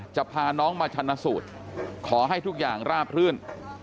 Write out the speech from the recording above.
จะพาน้องมาชนะสูตรขอให้ทุกอย่างราบรื่น